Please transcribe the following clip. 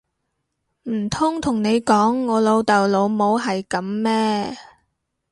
唔通同你講我老豆老母係噉咩！